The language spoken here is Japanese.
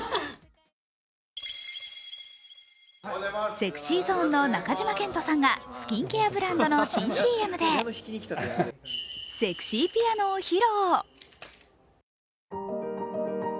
ＳｅｘｙＺｏｎｅの中島健人さんがスキンケアブランドの新ＣＭで、セクシーピアノを披露。